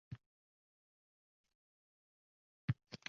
Bahor tonglari ko‘chalarni yayov kezsang